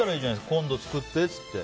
今度作ってって。